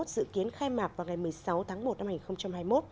dự kiến khai mạc vào ngày một mươi sáu tháng một năm hai nghìn hai mươi một